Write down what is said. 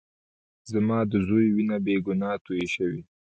زما د زوى وينه بې ګناه تويې شوې.